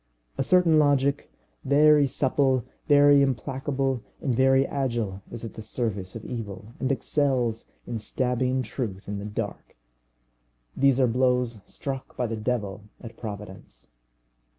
A certain logic, very supple, very implacable, and very agile, is at the service of evil, and excels in stabbing truth in the dark. These are blows struck by the devil at Providence.